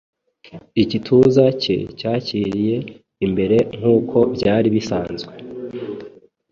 Igituza cye cyakiriye imbere nkuko byari bisanzwe